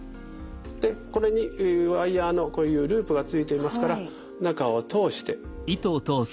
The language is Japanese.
でこれにワイヤーのこういうループが付いていますから中を通して。